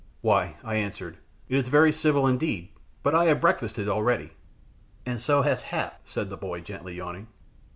"Why," I answered, "it is very civil indeed, but I have breakfasted already." "And so has Hath," said the boy, gently yawning.